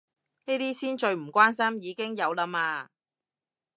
呢啲先最唔關心，已經有啦嘛